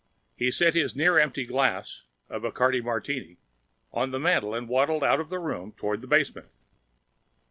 He set his near empty drink a Bacardi martini on the mantel and waddled out of the room toward the basement.